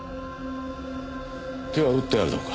手は打ってあるのか？